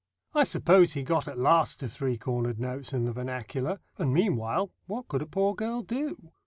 I suppose he got at last to three cornered notes in the vernacular; and meanwhile what could a poor girl do?